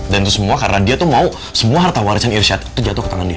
itu semua karena dia tuh mau semua harta warisan irsyad itu jatuh ke tangan dia